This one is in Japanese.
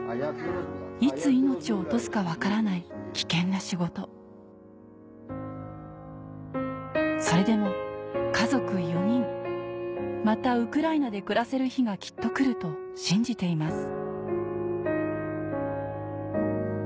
いつ命を落とすか分からない危険な仕事それでも家族４人またウクライナで暮らせる日がきっと来ると信じています